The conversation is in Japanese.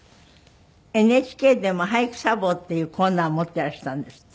ＮＨＫでも俳句茶房っていうコーナー持っていらしたんですって？